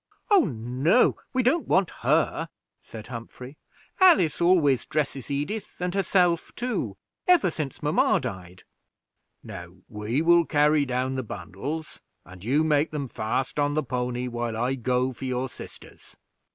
"Oh no, we don't want her," said Humphrey; "Alice always dresses Edith and herself too, ever since mamma died." "Now we will carry down the bundles, and you make them fast on the pony while I go for your sisters."